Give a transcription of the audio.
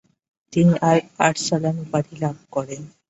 তিনি Alp Arslan উপাধি লাভ করেন।